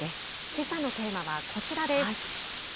けさのテーマはこちらです。